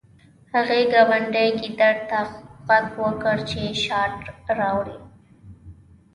هغې ګاونډي ګیدړ ته غږ وکړ چې شات راوړي